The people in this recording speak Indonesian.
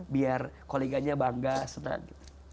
biar koleganya bangga senang